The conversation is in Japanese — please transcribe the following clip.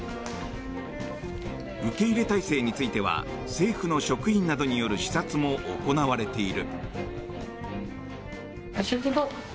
受け入れ態勢については政府の職員などによる視察も行われている。